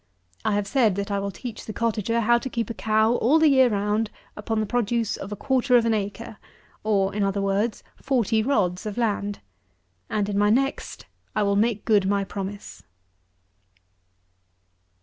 I have said that I will teach the cottager how to keep a cow all the year round upon the produce of a quarter of an acre, or, in other words, forty rods, of land; and, in my next, I will make good my promise.